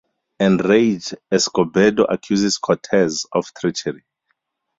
Enraged, Escobedo accuses Cortez of treachery.